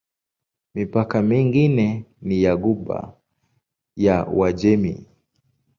Mipaka mingine ni ya Ghuba ya Uajemi.